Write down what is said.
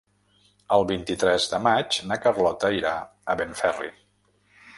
El vint-i-tres de maig na Carlota irà a Benferri.